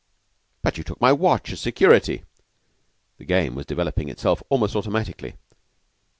"But you took my watch as security." The game was developing itself almost automatically.